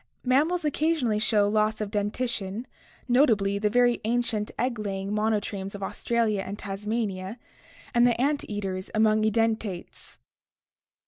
Mammals occa sionally show loss of dentition, notably the very ancient egg laying monotremes of Australia and Tasmania and the ant eaters among edentates.